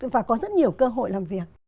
và có rất nhiều cơ hội làm việc